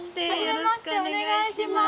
よろしくお願いします。